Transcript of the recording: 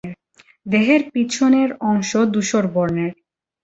দেহের পিছনের অংশ ধূসর বর্ণের।